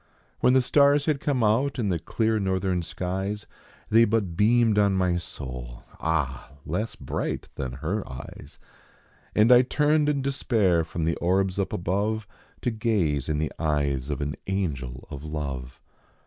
When the stars had come out in the clear northern skies They but beamed on my soul, ah ! less bright than her eyes, And I turned in despair from the orbs up above To gaze in the eyes of an angel of love.